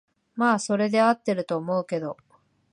まあそれで合ってると思うけど